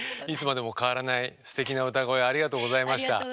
いつまでも変わらないすてきな歌声ありがとうございました。